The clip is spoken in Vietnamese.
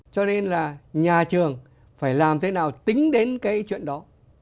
cho nên là nhà trường phải làm thế nào tính đến cái chuyện đó